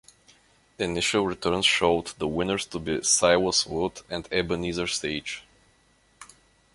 Initial returns showed the winners to be Silas Wood and Ebenezer Sage.